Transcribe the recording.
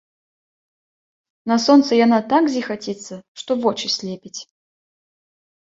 На сонцы яна так зіхаціцца, што вочы слепіць.